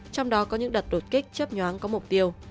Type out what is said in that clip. trong đó có những đợt đột kích chấp nhoáng có mục tiêu